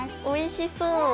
おいしそう。